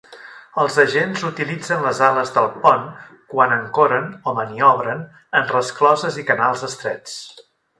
Els agents utilitzen les ales del pont quan ancoren o maniobren en rescloses i canals estrets.